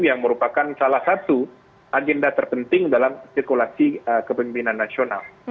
yang merupakan salah satu agenda terpenting dalam sirkulasi kepemimpinan nasional